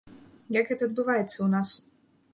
Як гэта адбываецца ў нас?